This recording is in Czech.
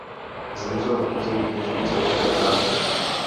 Zemřel na území dnešní Saúdské Arábie.